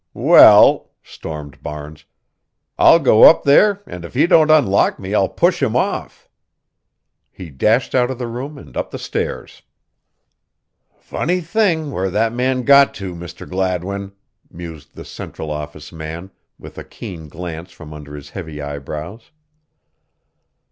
"Well," stormed Barnes, "I'll go up there and if he don't unlock me I'll push him off." He dashed out of the room and up the stairs. "Funny thing where that man got to, Mr. Gladwin," mused the Central Office man, with a keen glance from under his heavy eyebrows.